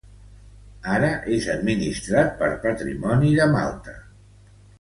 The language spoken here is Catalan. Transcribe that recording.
Ara, és administrat per Patrimoni de Malta.